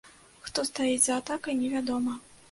Хто стаіць за атакай, невядома.